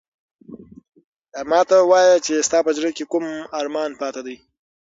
ما ته وایه چې ستا په زړه کې کوم ارمان پاتې دی؟